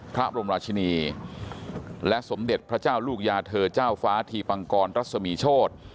พระบรมราชินีและสมเด็จพระเจ้าลูกยาเธอเจ้าฟ้าธีปังกรรัศมีโชธ